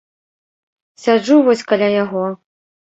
Сяджу вось каля яго.